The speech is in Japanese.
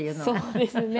そうですね。